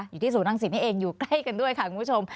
อยู่ที่ศูนย์รังศิษย์นี่เองอยู่ใกล้กันด้วยค่ะคุณผู้ชม